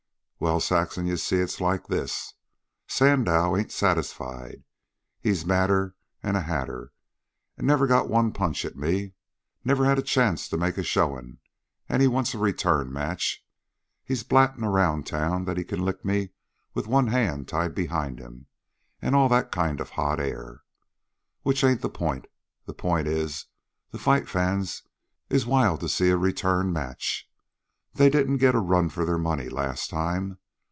"Well, Saxon, you see, it's like this. Sandow ain't satisfied. He's madder 'n a hatter. Never got one punch at me. Never had a chance to make a showin', an' he wants a return match. He's blattin' around town that he can lick me with one hand tied behind 'm, an' all that kind of hot air. Which ain't the point. The point is, the fight fans is wild to see a return match. They didn't get a run for their money last time.